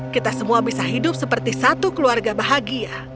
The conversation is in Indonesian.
kita semua bisa hidup seperti satu keluarga bahagia